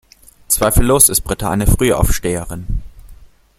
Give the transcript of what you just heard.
Zweifellos ist Britta eine Frühaufsteherin.